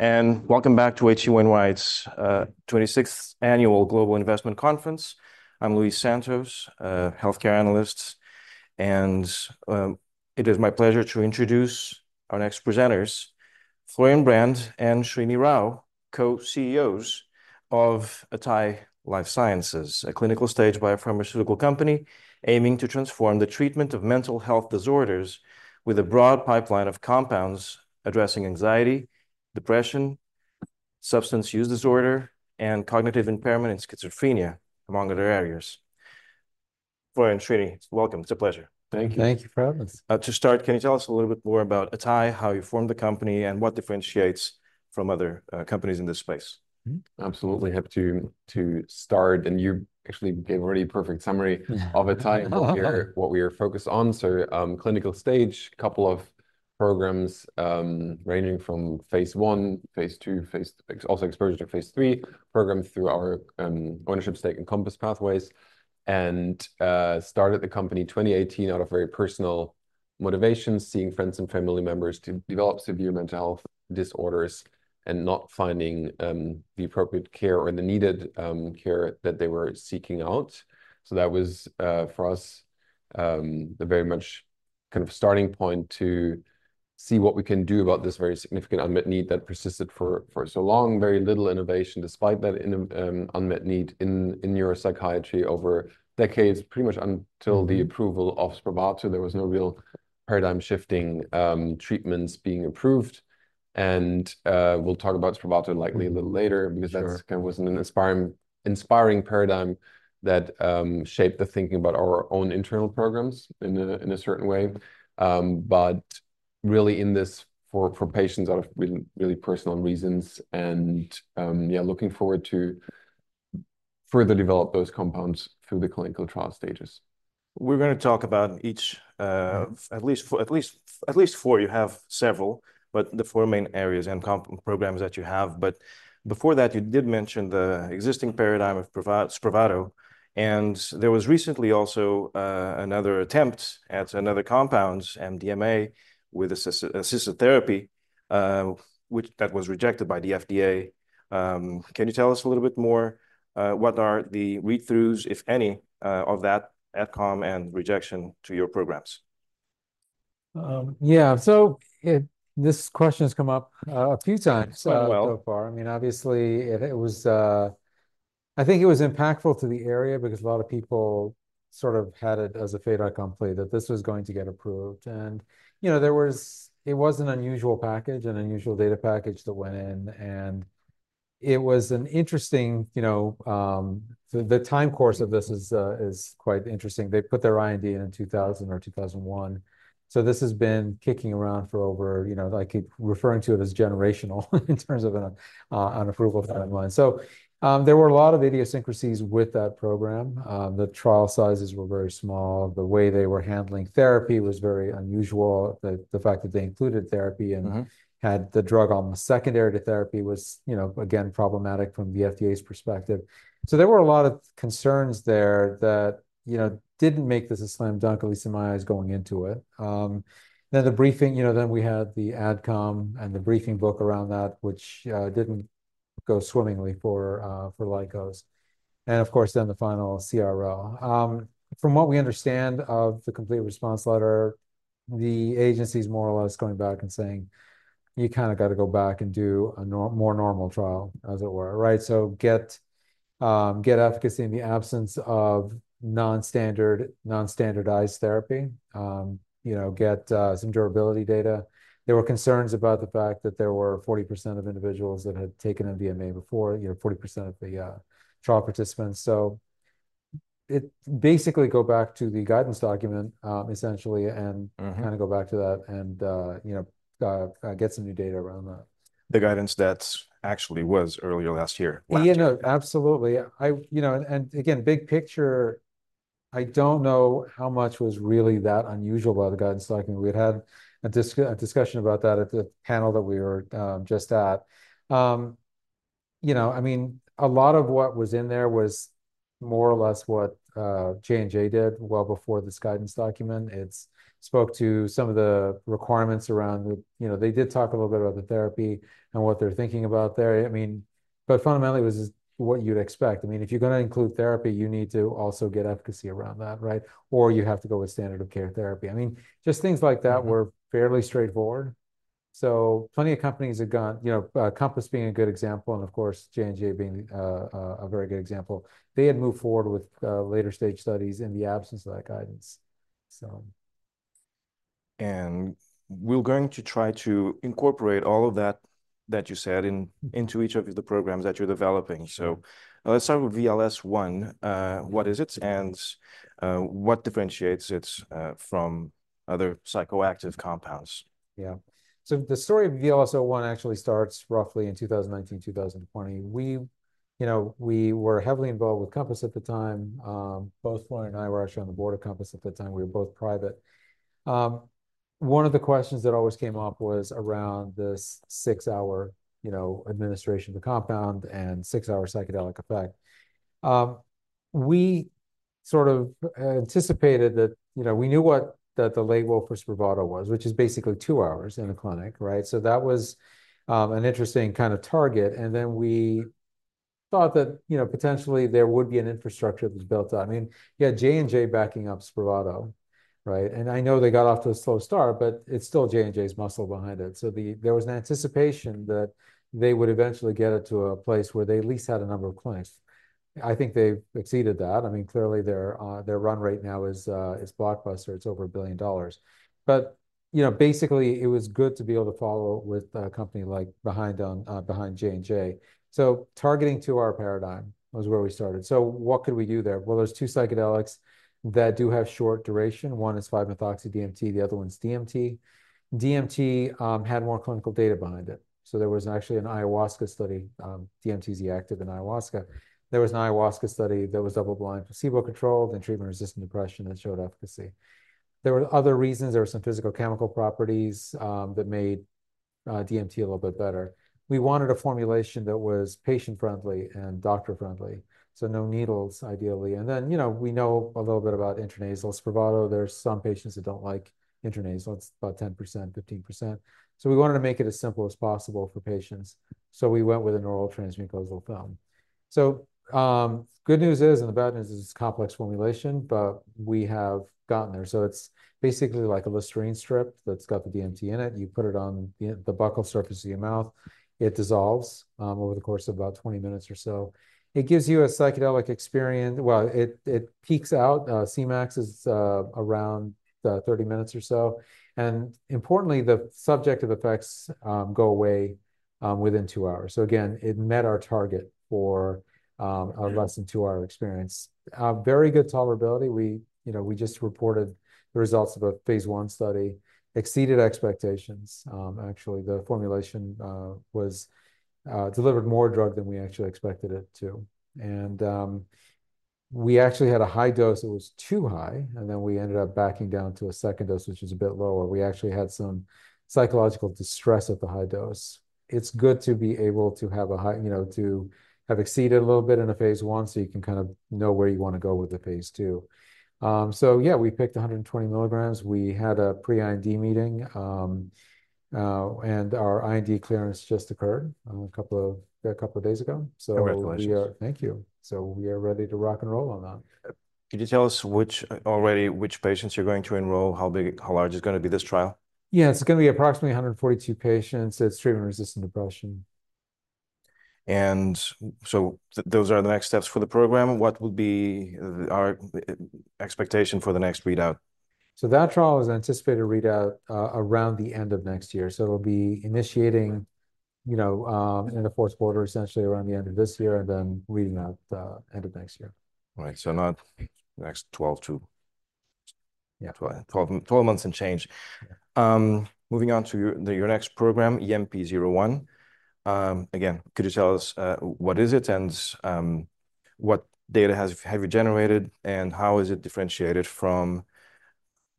Welcome back to H.C. Wainwright's twenty-sixth Annual Global Investment Conference. I'm Luis Santos, healthcare analyst, and it is my pleasure to introduce our next presenters, Florian Brand and Srini Rao, co-CEOs of Atai Life Sciences, a clinical-stage biopharmaceutical company aiming to transform the treatment of mental health disorders with a broad pipeline of compounds addressing anxiety, depression, substance use disorder, and cognitive impairment and schizophrenia, among other areas. Florian, Srini, welcome. It's a pleasure. Thank you. Thank you for having us. To start, can you tell us a little bit more about Atai, how you formed the company, and what differentiates from other companies in this space? Absolutely. Happy to start, and you actually gave a really perfect summary of Atai and what we are focused on. Clinical stage, couple of programs, ranging from phase I, phase II, also exposure to phase III programs through our ownership stake in Compass Pathways. Started the company in 2018 out of very personal motivations, seeing friends and family members develop severe mental health disorders and not finding the appropriate care or the needed care that they were seeking out. That was for us the very much kind of starting point to see what we can do about this very significant unmet need that persisted for so long. Very little innovation, despite that in unmet need in neuropsychiatry over decades. Pretty much until the approval of Spravato, there was no real paradigm-shifting treatments being approved. And, we'll talk about Spravato likely a little later- Sure. because that's kind of was an inspiring paradigm that shaped the thinking about our own internal programs in a certain way. But really in this for patients out of really, really personal reasons and yeah, looking forward to further develop those compounds through the clinical trial stages. We're gonna talk about each, Mm-hmm. At least four. You have several, but the four main areas and Compass programs that you have. But before that, you did mention the existing paradigm of Spravato, and there was recently also another attempt at another compound, MDMA, with assisted therapy, which that was rejected by the FDA. Can you tell us a little bit more, what are the read-throughs, if any, of that AdCom and rejection to your programs? Yeah, so this question has come up a few times. Well so far. I mean, obviously, it, it was. I think it was impactful to the area because a lot of people sort of had it as a fate outcome play that this was going to get approved. And, you know, there was, it was an unusual package, an unusual data package that went in, and it was an interesting, you know, so the time course of this is, is quite interesting. They put their IND in in 2000 or 2001, so this has been kicking around for over, you know, I keep referring to it as generational, in terms of an, an approval timeline. Yeah. So, there were a lot of idiosyncrasies with that program. The trial sizes were very small. The way they were handling therapy was very unusual. The fact that they included therapy and- Mm-hmm... had the drug on secondary to therapy was, you know, again, problematic from the FDA's perspective. So there were a lot of concerns there that, you know, didn't make this a slam dunk, at least in my eyes, going into it. Then the briefing, you know, then we had the AdCom and the briefing book around that, which didn't go swimmingly for Lykos, and of course, then the final CRL. From what we understand of the complete response letter, the agency is more or less going back and saying, "You kinda got to go back and do a more normal trial," as it were, right? So get efficacy in the absence of non-standard, non-standardized therapy. You know, get some durability data. There were concerns about the fact that there were 40% of individuals that had taken MDMA before, you know, 40% of the trial participants. So it basically go back to the guidance document, essentially, and- Mm-hmm... kinda go back to that and, you know, get some new data around that. The guidance that actually was earlier last year. You know, absolutely. You know, and again, big picture, I don't know how much was really that unusual about the guidance document. We had had a discussion about that at the panel that we were just at. You know, I mean, a lot of what was in there was more or less what J&J did well before this guidance document. It spoke to some of the requirements around the... You know, they did talk a little bit about the therapy and what they're thinking about there. I mean, but fundamentally, it was just what you'd expect. I mean, if you're gonna include therapy, you need to also get efficacy around that, right? Or you have to go with standard of care therapy. I mean, just things like that. Mm-hmm... were fairly straightforward. So plenty of companies have gone, you know, Compass being a good example, and of course, J&J being a very good example. They had moved forward with later-stage studies in the absence of that guidance. So... We're going to try to incorporate all of that that you said into each of the programs that you're developing. So let's start with VLS-01. What is it, and what differentiates it from other psychoactive compounds? Yeah. So the story of VLS-01 actually starts roughly in 2019, 2020. We, you know, we were heavily involved with Compass at the time. Both Florian and I were actually on the board of Compass at that time. We were both private. One of the questions that always came up was around this six-hour, you know, administration of the compound and six-hour psychedelic effect. We sort of anticipated that, you know, we knew what the label for Spravato was, which is basically two hours in a clinic, right? So that was an interesting kind of target, and then we thought that, you know, potentially there would be an infrastructure that was built up. I mean, you had J&J backing up Spravato, right? I know they got off to a slow start, but it's still J&J's muscle behind it. There was an anticipation that they would eventually get it to a place where they at least had a number of clinics. I think they've exceeded that. I mean, clearly, their run rate now is blockbuster. It's over $1 billion. But you know, basically, it was good to be able to follow with a company like behind J&J. Targeting to our paradigm was where we started. What could we do there? There's two psychedelics that do have short duration. One is 5-methoxy-DMT, the other one's DMT. DMT had more clinical data behind it. There was actually an ayahuasca study. DMT's active in ayahuasca. There was an ayahuasca study that was double-blind, placebo-controlled, and treatment-resistant depression that showed efficacy. There were other reasons. There were some physical-chemical properties that made DMT a little bit better. We wanted a formulation that was patient-friendly and doctor-friendly, so no needles, ideally. And then, you know, we know a little bit about intranasal Spravato. There are some patients that don't like intranasal, it's about 10%, 15%. So we wanted to make it as simple as possible for patients. So, good news is, and the bad news is, it's complex formulation, but we have gotten there. So it's basically like a Listerine strip that's got the DMT in it. You put it on the buccal surface of your mouth, it dissolves over the course of about 20 minutes or so. It gives you a psychedelic experience, well, it peaks out. Cmax is around 30 minutes or so, and importantly, the subjective effects go away within two hours, so again, it met our target for a less than two-hour experience. Very good tolerability. We, you know, just reported the results of a phase I study, exceeded expectations. Actually, the formulation was delivered more drug than we actually expected it to, and we actually had a high dose that was too high, and then we ended up backing down to a second dose, which is a bit lower. We actually had some psychological distress at the high dose. It's good to be able to have a high, you know, to have exceeded a little bit in a phase I, so you can kind of know where you want to go with the phase II. So yeah, we picked 120 milligrams. We had a pre-IND meeting, and our IND clearance just occurred a couple of days ago. Congratulations. Thank you. So we are ready to rock and roll on that. Could you tell us which patients you're going to enroll? How big, how large is going to be this trial? Yeah, it's going to be approximately 142 patients. It's treatment-resistant depression. And so those are the next steps for the program. What would be our expectation for the next readout? So that trial is anticipated to read out, around the end of next year. So it'll be initiating, you know, in the fourth quarter, essentially around the end of this year, and then reading out the end of next year. Right, so not the next twelve to- Yeah. Twelve months and change. Moving on to your next program, EMP-01. Again, could you tell us what is it and what data have you generated, and how is it differentiated from...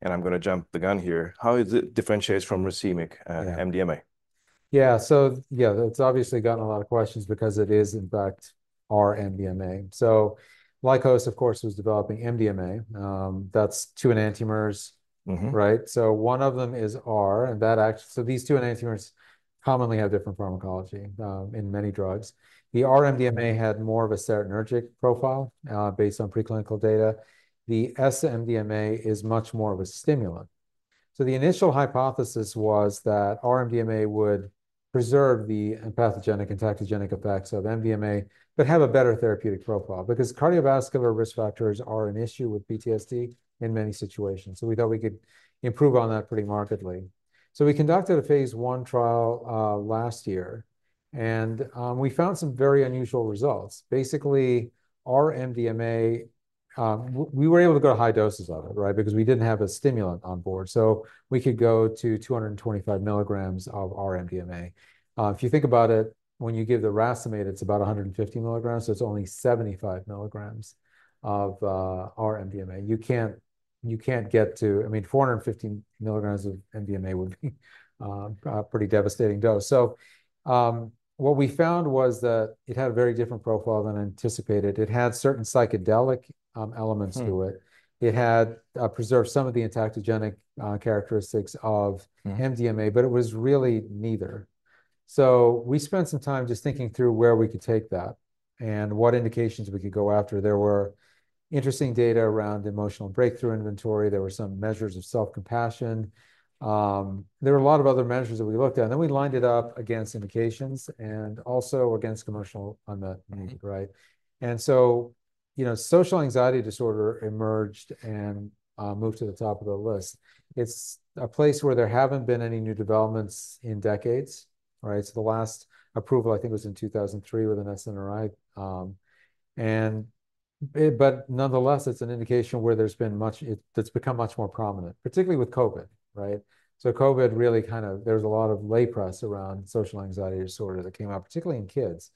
And I'm going to jump the gun here, how is it differentiated from racemic MDMA? Yeah. So, yeah, that's obviously gotten a lot of questions because it is, in fact, R-MDMA. So Lykos, of course, was developing MDMA. That's two enantiomers- Mm-hmm. Right? So one of them is R, so these two enantiomers commonly have different pharmacology in many drugs. The R-MDMA had more of a serotonergic profile based on preclinical data. The S-MDMA is much more of a stimulant. So the initial hypothesis was that R-MDMA would preserve the empathogenic and entactogenic effects of MDMA, but have a better therapeutic profile, because cardiovascular risk factors are an issue with PTSD in many situations. So we thought we could improve on that pretty markedly. So we conducted a phase I trial last year, and we found some very unusual results. Basically, R-MDMA, we were able to go to high doses of it, right? Because we didn't have a stimulant on board, so we could go to 225 milligrams of R-MDMA. If you think about it, when you give the racemate, it's about 150 milligrams, so it's only 75 milligrams of R-MDMA. You can't get to - I mean, 450 milligrams of MDMA would be a pretty devastating dose. So, what we found was that it had a very different profile than anticipated. It had certain psychedelic elements to it. Mm. It had preserved some of the entactogenic characteristics of- Mm... MDMA, but it was really neither. So we spent some time just thinking through where we could take that and what indications we could go after. There were interesting data around emotional breakthrough inventory. There were some measures of self-compassion. There were a lot of other measures that we looked at, and then we lined it up against indications and also against commercial unmet need, right? And so, you know, social anxiety disorder emerged and moved to the top of the list. It's a place where there haven't been any new developments in decades, right? So the last approval, I think, was in two thousand and three with an SNRI. But nonetheless, it's an indication where it's become much more prominent, particularly with COVID, right? So COVID really kind of, there was a lot of lay press around social anxiety disorder that came out, particularly in kids.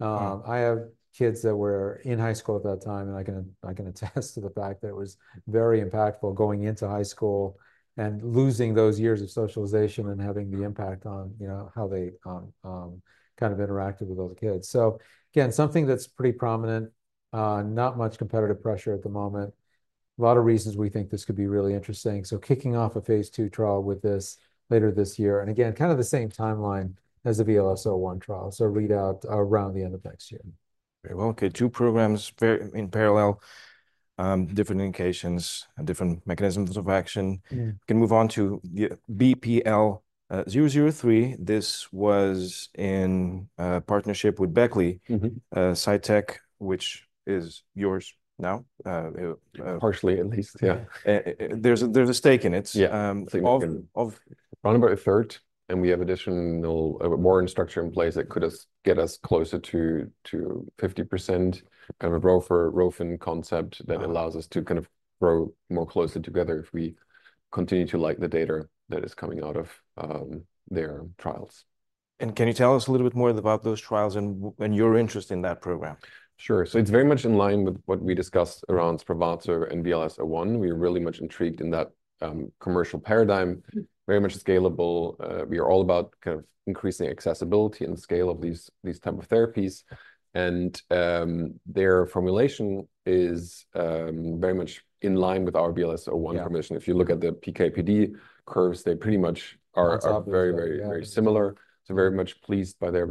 Mm. I have kids that were in high school at that time, and I can attest to the fact that it was very impactful going into high school and losing those years of socialization and having the impact on, you know, how they kind of interacted with those kids. So again, something that's pretty prominent, not much competitive pressure at the moment. A lot of reasons we think this could be really interesting. So kicking off a phase two trial with this later this year, and again, kind of the same timeline as the VLS-01 trial, so readout around the end of next year. Very well. Okay, two programs very in parallel, different indications and different mechanisms of action. Mm-hmm. can move on to the BPL-003. This was in a partnership with Beckley- Mm-hmm. Psytech, which is yours now, Partially at least, yeah. There's a stake in it. Yeah. Um, of, of- Around about a third, and we have additional, more infrastructure in place that could get us closer to 50%, kind of a ROFR/ROFN concept that allows us to kind of grow more closely together if we continue to like the data that is coming out of their trials. Can you tell us a little bit more about those trials and your interest in that program? Sure, so it's very much in line with what we discussed around Spravato and VLS-01. We're really much intrigued in that commercial paradigm, very much scalable. We are all about kind of increasing accessibility and scale of these type of therapies, and their formulation is very much in line with our VLS-01 formulation. Yeah. If you look at the PK/PD curves, they pretty much are- On top of each other.... very, very, very similar. So very much pleased by their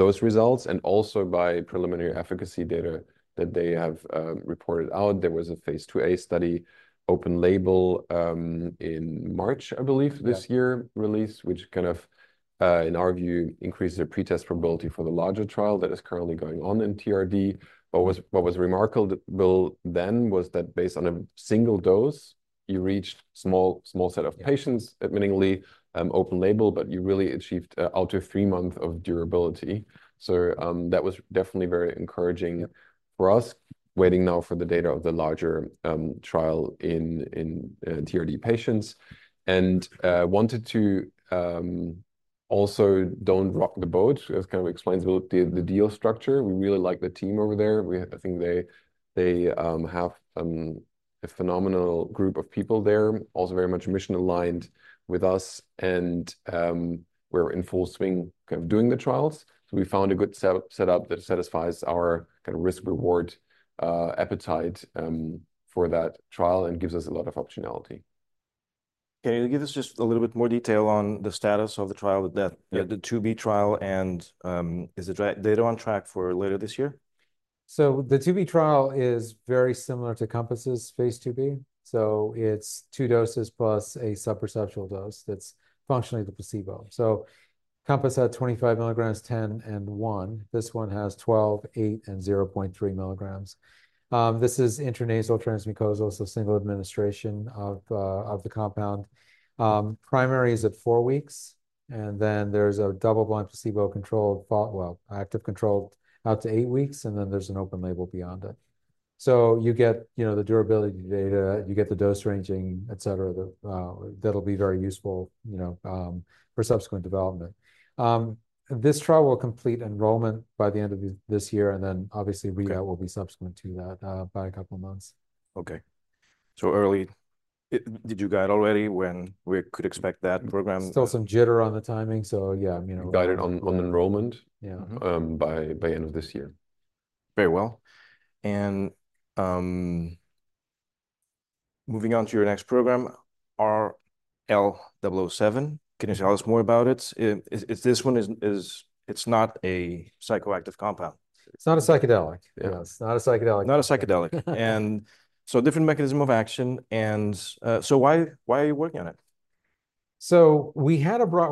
results, and also by preliminary efficacy data that they have reported out. There was a phase IIa study, open label, in March, I believe, this year- Yeah... released, which kind of, in our view, increases the pretest probability for the larger trial that is currently going on in TRD. What was remarkable then was that based on a single dose, you reached small, small set of patients- Yeah... admittedly, open label, but you really achieved out to three months of durability. So, that was definitely very encouraging for us. Waiting now for the data of the larger trial in TRD patients. And wanted to also don't rock the boat. As kind of explains the deal structure. We really like the team over there. I think they have a phenomenal group of people there, also very much mission aligned with us and we're in full swing kind of doing the trials. So we found a good setup that satisfies our kind of risk/reward appetite for that trial, and gives us a lot of optionality. Can you give us just a little bit more detail on the status of the trial that? Yeah... the II-B trial, and is the data on track for later this year? So the II-B trial is very similar to Compass' phase II-B. So it's two doses plus a sub-perceptual dose that's functionally the placebo. So Compass had 25 milligrams, 10, and 1. This one has 12, 8, and 0.3 milligrams. This is intranasal transmucosal, so single administration of the compound. Primary is at four weeks, and then there's a double-blind placebo-controlled well, active control out to eight weeks, and then there's an open-label beyond it. So you get, you know, the durability data, you get the dose ranging, et cetera, that'll be very useful, you know, for subsequent development. This trial will complete enrollment by the end of this year, and then obviously- Okay... readout will be subsequent to that, by a couple of months. Okay. So early, did you guide already when we could expect that program? Still some jitter on the timing, so yeah, you know- Guided on enrollment- Yeah, mm-hmm... by end of this year. Very well. Moving on to your next program, RL-007. Can you tell us more about it? This one is. It's not a psychoactive compound. It's not a psychedelic. Yeah. It's not a psychedelic. Not a psychedelic. And so a different mechanism of action, and so why, why are you working on it? You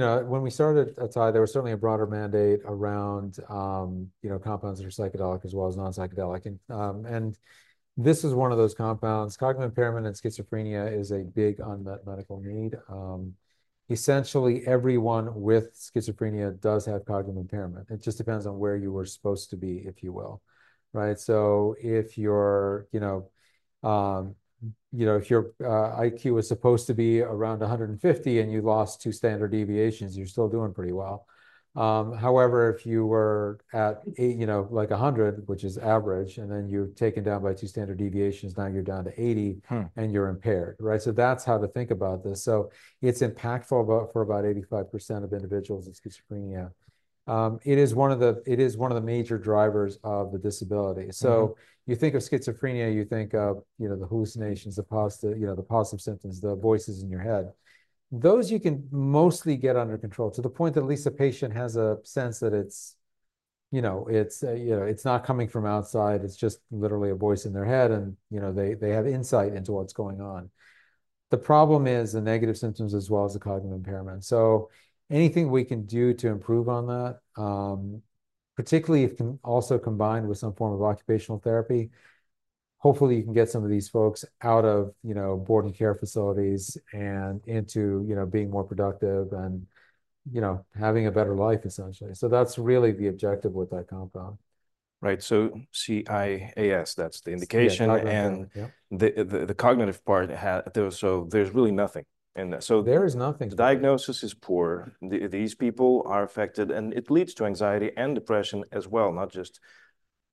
know, when we started at Atai, there was certainly a broader mandate around, you know, compounds that are psychedelic as well as non-psychedelic. And this is one of those compounds. Cognitive impairment in schizophrenia is a big unmet medical need. Essentially, everyone with schizophrenia does have cognitive impairment. It just depends on where you were supposed to be, if you will. Right? So if your, you know, IQ is supposed to be around a hundred and fifty, and you lost two standard deviations, you're still doing pretty well. However, if you were at, you know, like a hundred, which is average, and then you're taken down by two standard deviations, now you're down to eighty- Hmm... and you're impaired, right? So that's how to think about this. So it's impactful about, for about 85% of individuals with schizophrenia. It is one of the major drivers of the disability. Mm-hmm. So you think of schizophrenia, you think of, you know, the hallucinations, the positive, you know, the positive symptoms, the voices in your head. Those you can mostly get under control, to the point that at least the patient has a sense that it's, you know, it's, you know, it's not coming from outside, it's just literally a voice in their head, and, you know, they, they have insight into what's going on. The problem is the negative symptoms as well as the cognitive impairment. So anything we can do to improve on that, particularly if also combined with some form of occupational therapy, hopefully you can get some of these folks out of, you know, boarding care facilities and into, you know, being more productive and, you know, having a better life, essentially. So that's really the objective with that compound. Right. So CIAS, that's the indication. Yeah, cognitive. And- Yep... the cognitive part there, so there's really nothing in that. So- There is nothing.... diagnosis is poor. These people are affected, and it leads to anxiety and depression as well, not just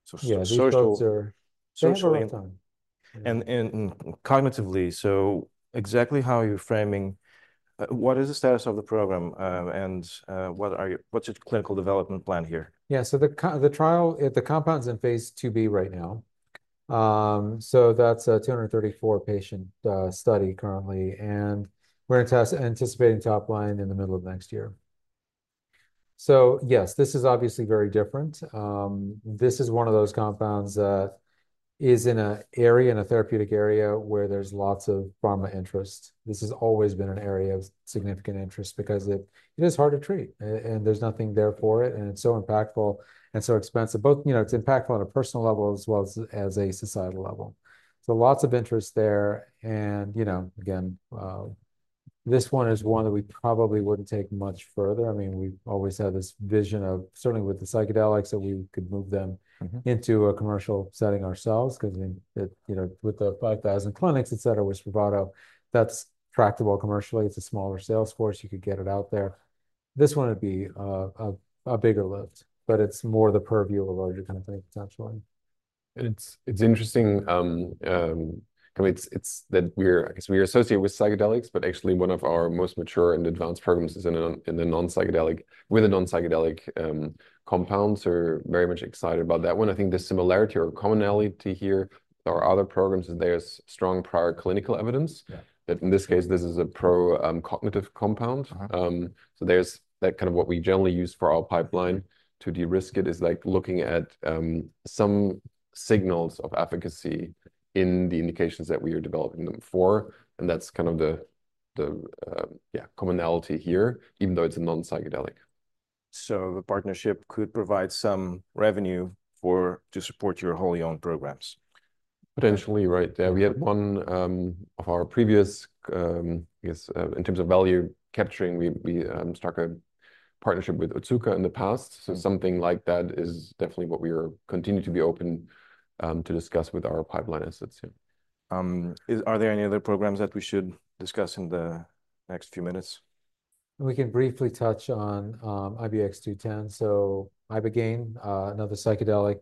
social- Yeah, these folks are- Social and- They have a hard time.... and cognitively, so exactly how are you framing what is the status of the program, and what's your clinical development plan here? Yeah, so the trial, the compound's in phase II-B right now. So that's a 234-patient study currently, and we're anticipating top line in the middle of next year. So yes, this is obviously very different. This is one of those compounds that is in an area, in a therapeutic area, where there's lots of pharma interest. This has always been an area of significant interest because it is hard to treat, and there's nothing there for it, and it's so impactful and so expensive. Both, you know, it's impactful on a personal level as well as a societal level. So lots of interest there, and, you know, again, this one is one that we probably wouldn't take much further. I mean, we've always had this vision of, certainly with the psychedelics, that we could move them- Mm-hmm... into a commercial setting ourselves 'cause, I mean, it, you know, with the five thousand clinics, et cetera, with Spravato, that's tractable commercially. It's a smaller sales force. You could get it out there. This one would be a bigger lift, but it's more the purview of a larger kind of thing, potentially. It's interesting. I mean, it's that we're-I guess we are associated with psychedelics, but actually, one of our most mature and advanced programs is in the non-psychedelic with a non-psychedelic compounds, so very much excited about that one. I think the similarity or commonality to here or other programs is there's strong prior clinical evidence. Yeah. But in this case, this is a pro-cognitive compound. Uh-huh. So there's that kind of what we generally use for our pipeline to de-risk it, is like looking at some signals of efficacy in the indications that we are developing them for, and that's kind of the yeah, commonality here, even though it's a non-psychedelic. So the partnership could provide some revenue to support your wholly owned programs? Potentially, right. Yeah, we had one of our previous, I guess, in terms of value capturing, we struck a partnership with Otsuka in the past. Mm. Something like that is definitely what we are continuing to be open to discuss with our pipeline assets, yeah. Are there any other programs that we should discuss in the next few minutes? We can briefly touch on IBX-210, so Ibogaine, another psychedelic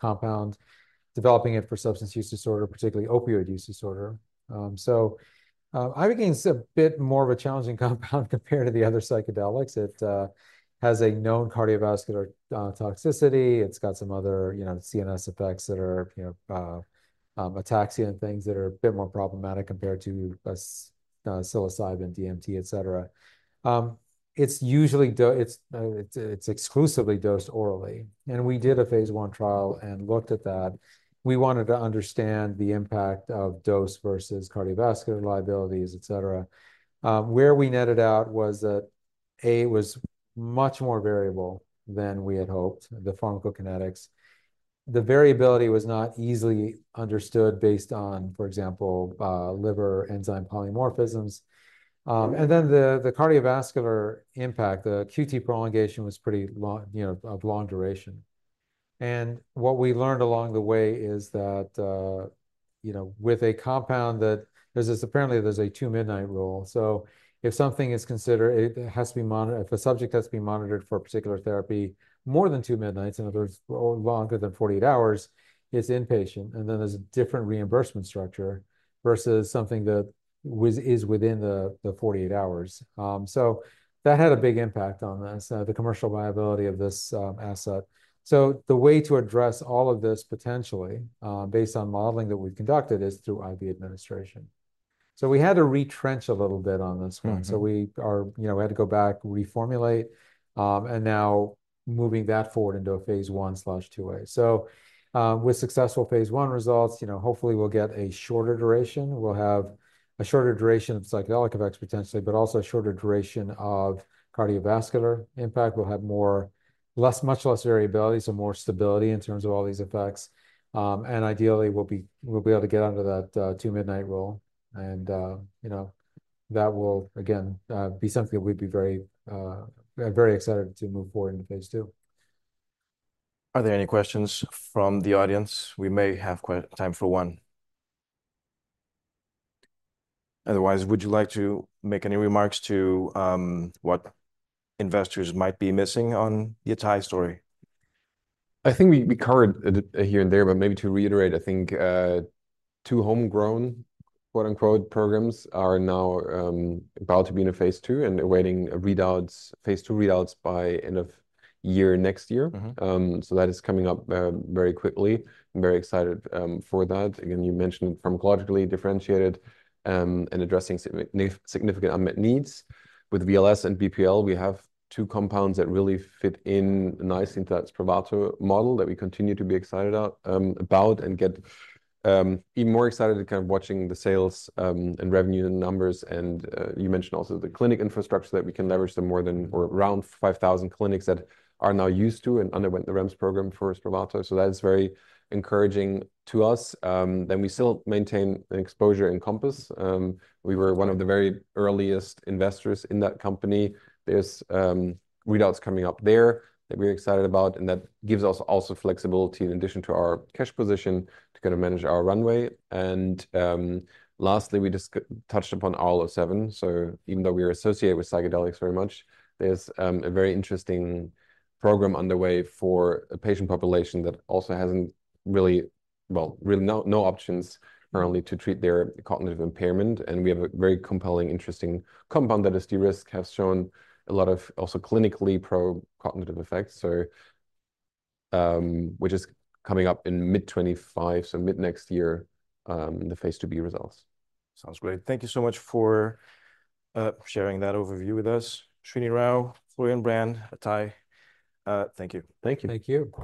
compound, developing it for substance use disorder, particularly opioid use disorder. Ibogaine is a bit more of a challenging compound compared to the other psychedelics. It has a known cardiovascular toxicity. It's got some other, you know, CNS effects that are, you know, ataxia and things that are a bit more problematic compared to psilocybin, DMT, et cetera. It's usually exclusively dosed orally, and we did a phase I trial and looked at that. We wanted to understand the impact of dose versus cardiovascular liabilities, et cetera. Where we netted out was that, A, it was much more variable than we had hoped, the pharmacokinetics. The variability was not easily understood based on, for example, liver enzyme polymorphisms. And then the cardiovascular impact, the QT prolongation was pretty long, you know, of long duration. And what we learned along the way is that, you know, apparently, there's a Two-Midnight Rule. So if a subject has to be monitored for a particular therapy more than two midnights, in other words, longer than 48 hours, it's inpatient, and then there's a different reimbursement structure versus something that is within the 48 hours. So that had a big impact on this, the commercial viability of this asset. So the way to address all of this, potentially, based on modeling that we've conducted, is through IV administration. So we had to retrench a little bit on this one. Mm-hmm. So we are, you know, we had to go back, reformulate, and now moving that forward into a phase I/II-A. So, with successful phase I results, you know, hopefully we'll get a shorter duration. We'll have a shorter duration of psychedelic effects, potentially, but also a shorter duration of cardiovascular impact. We'll have less, much less variability, so more stability in terms of all these effects. And ideally, we'll be able to get under that Two-Midnight Rule, and, you know, that will, again, be something that we'd be very, very excited to move forward into phase II. Are there any questions from the audience? We may have time for one. Otherwise, would you like to make any remarks to what investors might be missing on the Atai story? I think we covered it here and there, but maybe to reiterate, I think two homegrown, quote-unquote, programs are now about to be in a phase II and awaiting readouts, phase II readouts by end of year next year. Mm-hmm. So that is coming up very quickly. I'm very excited for that. Again, you mentioned pharmacologically differentiated and addressing significant unmet needs. With VLS and BPL, we have two compounds that really fit in nicely into that Spravato model, that we continue to be excited out about, and get even more excited to kind of watching the sales and revenue numbers. And you mentioned also the clinic infrastructure, that we can leverage the more than or around 5,000 clinics that are now used to and underwent the REMS program for Spravato. So that is very encouraging to us. Then we still maintain an exposure in Compass. We were one of the very earliest investors in that company. There's readouts coming up there that we're excited about, and that gives us also flexibility in addition to our cash position, to kind of manage our runway. Lastly, we just touched upon RL-007, so even though we are associated with psychedelics very much, there's a very interesting program underway for a patient population that also hasn't really... well, really no options currently to treat their cognitive impairment. And we have a very compelling, interesting compound that is de-risk, has shown a lot of also clinically pro-cognitive effects, so which is coming up in mid-2025, so mid-next year, in the phase II-B results. Sounds great. Thank you so much for sharing that overview with us. Srini Rao, Florian Brand, Atai, thank you. Thank you. Thank you.